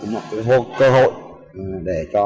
một cơ hội để cho